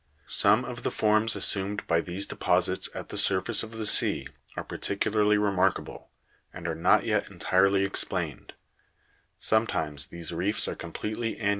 Some of the forms assumed by these deposits at the surface of the sea are particularly remarkable, and are not yet entirely explained ; sometimes these reefs are completely annular 40.